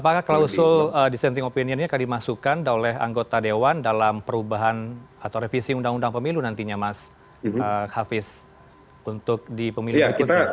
apakah klausul dissenting opinion ini akan dimasukkan oleh anggota dewan dalam perubahan atau revisi undang undang pemilu nantinya mas hafiz untuk di pemilih berikutnya